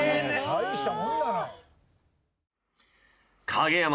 大したもんだな。